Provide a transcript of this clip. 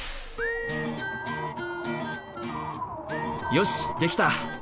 よしできた！